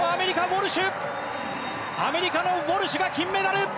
アメリカのウォルシュが金メダル！